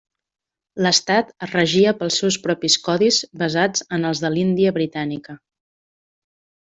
L'estat es regia pels seus propis codis basats en els de l'Índia Britànica.